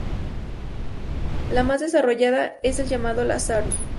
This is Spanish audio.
La más desarrollada es el llamado Lazarus.